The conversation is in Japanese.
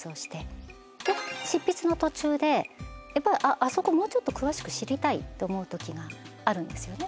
で執筆の途中でやっぱりあそこもうちょっと詳しく知りたいって思うときがあるんですよね